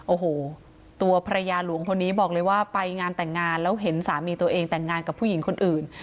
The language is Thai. โอ้โหตัวภรรยาหลวงคนนี้บอกเลยว่าไปงานแต่งงานแล้วเห็นสามีตัวเองแต่งงานกับผู้หญิงคนอื่น